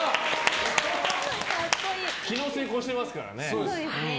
昨日、成功してますからね。